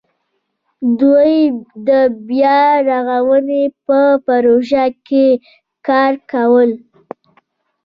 دوی د بیا رغاونې په پروژه کې کار کاوه.